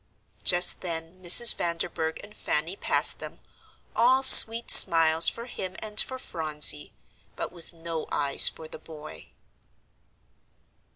Just then Mrs. Vanderburgh and Fanny passed them, all sweet smiles for him and for Phronsie, but with no eyes for the boy.